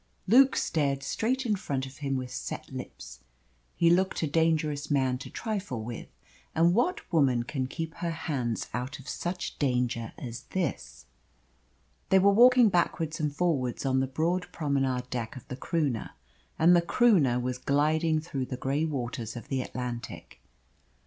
Luke stared straight in front of him with set lips. He looked a dangerous man to trifle with, and what woman can keep her hands out of such danger as this? They were walking backwards and forwards on the broad promenade deck of the Croonah, and the Croonah was gliding through the grey waters of the Atlantic.